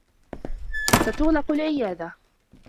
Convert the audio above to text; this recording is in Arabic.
ستُغلق العيادة.